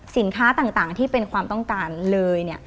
สินค้าต่างที่เป็นความต้องการเลย